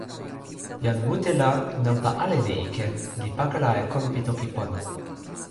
jan mute la, nanpa ale li ike, li pakala e kon pi toki pona.